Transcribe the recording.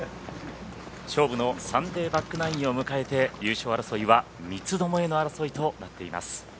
勝負のサンデーバッグナインを迎えて、優勝争いは三つどもえの争いとなっています。